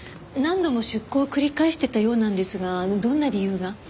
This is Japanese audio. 何度も出向を繰り返してたようなんですがどんな理由が？